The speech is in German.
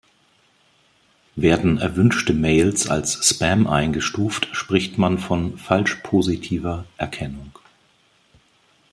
Werden erwünschte Mails als Spam eingestuft, spricht man von „falsch positiver“ Erkennung.